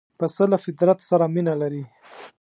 پسه له فطرت سره مینه لري.